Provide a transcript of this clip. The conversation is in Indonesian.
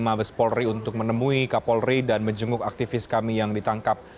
kami juga mendatangi mabes polri untuk menemui kapolri dan menjenguk aktivis kami yang ditangkap